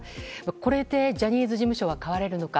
これでジャニーズ事務所は変われるのか。